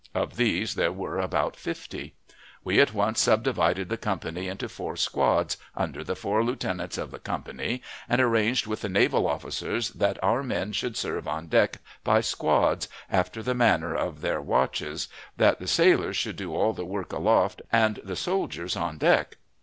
Of these there were about fifty. We at once subdivided the company into four squads, under the four lieutenants of the company, and arranged with the naval officers that our men should serve on deck by squads, after the manner of their watches; that the sailors should do all the work aloft, and the soldiers on deck.